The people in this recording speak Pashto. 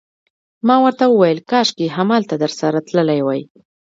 ما ورته وویل: کاشکي همالته درسره تللی وای.